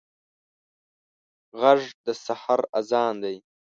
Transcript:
غږ د سحر اذان دی